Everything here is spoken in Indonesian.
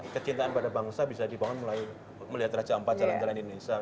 kecintaan pada bangsa bisa dibangun mulai melihat raja ampat jalan jalan indonesia